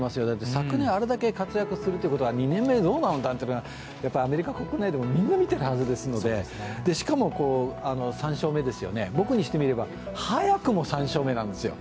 昨年あれだけ活躍するということは、２年目どうなるんだとアメリカ国内でもみんな見ているはずですので、しかも、３勝目ですよね、僕にしてみれば早くも３勝目なんですよ。